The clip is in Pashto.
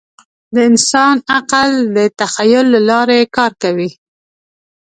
د انسان عقل د تخیل له لارې کار کوي.